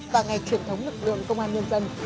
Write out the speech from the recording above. và ngày truyền thống lực lượng công an nhân dân